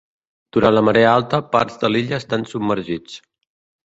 Durant la marea alta, parts de l'illa estan submergits.